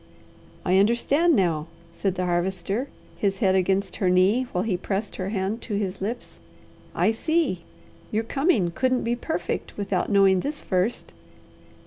"I understand now," said the Harvester, his head against her knee while he pressed her hand to his lips. "I see! Your coming couldn't be perfect without knowing this first.